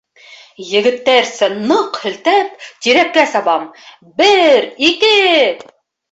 Егеттәрсә ныҡ һелтәнеп, тирәккә сабам: бер, ике...